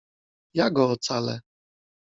Ja go ocalę!